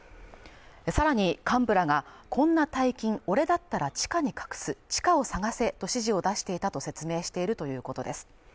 さらに幹部らがこんな大金俺だったら地下に隠す、地下を探せと指示を出していたと説明しているということです